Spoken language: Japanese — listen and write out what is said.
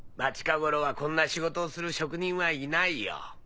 近頃はこんな仕事をする職人はいないよ。